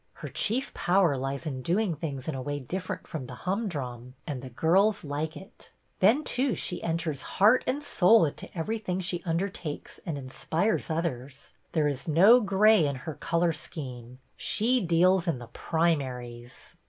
Her chief power lies in doing things in a way different from the humdrum, and girls like it. Then, too, she enters heart and soul into everything she undertakes and inspires others. There is no gray in her color scheme ; she deals in the primaries."